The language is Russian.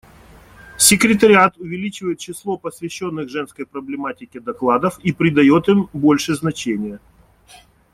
Секретариат увеличивает число посвященных женской проблематике докладов и придает им больше значения.